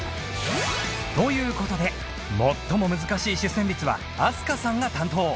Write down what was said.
という事で最も難しい主旋律は飛鳥さんが担当